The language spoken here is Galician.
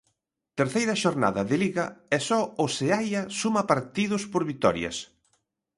Terceira xornada de liga e só o Seaia suma partidos por vitorias.